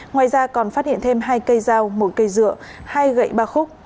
ngoài ra còn phát hiện thêm hai cây dao một cây dựa hai gậy ba khúc